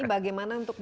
jadi kita harus